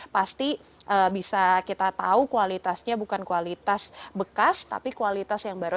pasti bisa kita tahu kualitasnya bukan kualitas bekas tapi kualitas yang baru